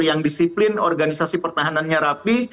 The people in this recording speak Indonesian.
yang disiplin organisasi pertahanannya rapi